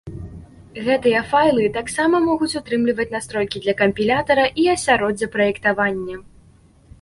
Гэтыя файлы таксама могуць утрымліваць настройкі для кампілятара і асяроддзя праектавання.